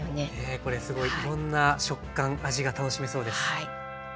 これすごいいろんな食感味が楽しめそうです。